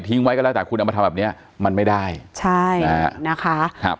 ไว้ก็แล้วแต่คุณเอามาทำแบบเนี้ยมันไม่ได้ใช่นะฮะครับ